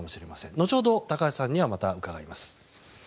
後ほど高橋さんにはまた伺います。